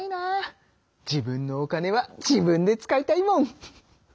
自分のお金は自分で使いたいもん！